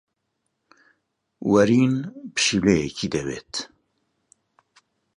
وەرین پشیلەیەکی دەوێت.